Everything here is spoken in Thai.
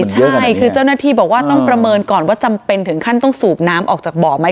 ใช่คือเจ้าหน้าที่บอกว่าต้องประเมินก่อนว่าจำเป็นถึงขั้นต้องสูบน้ำออกจากบ่อไหม